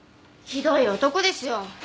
ひどい男ですよ。